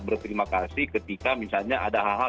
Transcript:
berterima kasih ketika misalnya ada hal hal